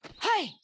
はい！